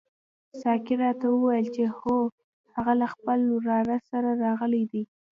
ساقي راته وویل چې هو هغه له خپل وراره سره راغلی دی.